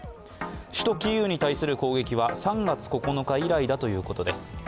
首都キーウに対する攻撃は３月９日以来だということです。